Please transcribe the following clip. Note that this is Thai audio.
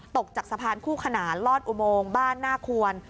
ตกจากสะพานคู่ขนานลอดอุโมงบ้านหน้าควร